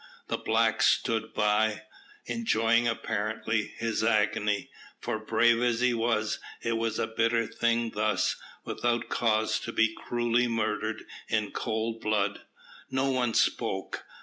The blacks stood by, enjoying, apparently, his agony; for, brave as he was, it was a bitter thing thus, without cause, to be cruelly murdered in cold blood. No one spoke.